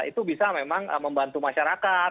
itu bisa memang membantu masyarakat